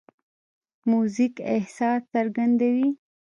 موزیک احساس څرګندوي.